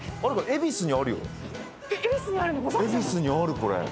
恵比寿にあるこれ。